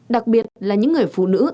đặc biệt là những người phụ nữ